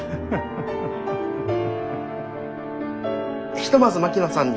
ひとまず槙野さんに。